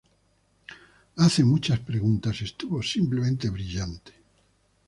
Hace muchas preguntas, estuvo simplemente brillante.